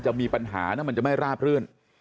จะมีปัญหามันจะไม่ราบเรื่อง